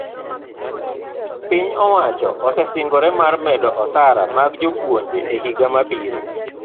piny owacho osesingore mar medo osara mag jopuonj e higa mabiro